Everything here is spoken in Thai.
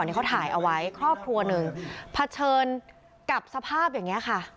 นี่เขาถ่ายเอาไว้ครอบครัวหนึ่งเผชิญกับสภาพอย่างนี้ค่ะ